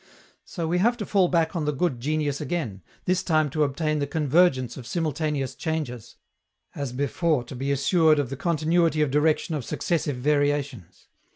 So we have to fall back on the good genius again, this time to obtain the convergence of simultaneous changes, as before to be assured of the continuity of direction of successive variations.